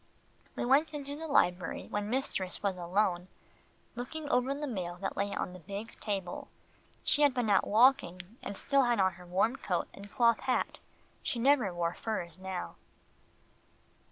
We went into the library, where mistress was alone, looking over the mail that lay on the big table. She had been out walking, and still had on her warm coat and cloth hat. She never wore furs now.